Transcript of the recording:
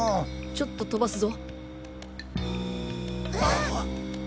ちょっと飛ばすぞ。